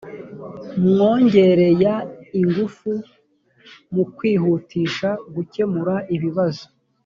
mwongerea ingufu mu kwihutisha gukemura ibibazo